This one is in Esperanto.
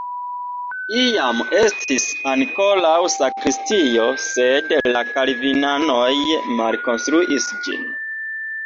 Iam estis ankaŭ sakristio, sed la kalvinanoj malkonstruis ĝin.